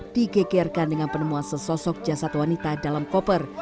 digegerkan dengan penemuan sesosok jasad wanita dalam koper